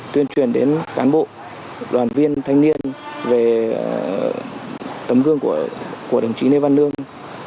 tuyên truyền đến cán bộ đoàn viên thanh niên về tấm gương của đồng chí lê văn lương